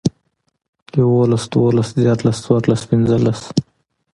يوولس، دوولس، ديارلس، څوارلس، پينځلس